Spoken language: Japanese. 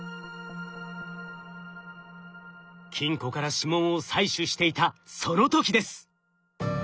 金庫から指紋を採取していたその時です！